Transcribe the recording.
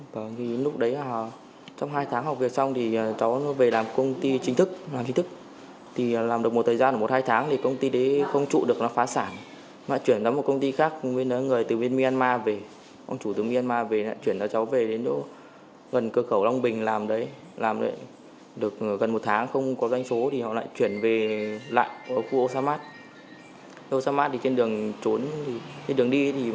lại ở khu osamat osamat thì trên đường trốn trên đường đi thì cháu năm sáu người anh em tụ hợp vào rồi trốn